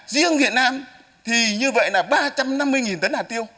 riêng việt nam thì như vậy là ba trăm năm mươi tấn hạt tiêu